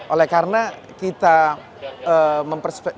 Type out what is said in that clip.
oleh karena kita memperspektifkan